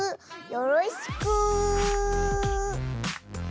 よろしく。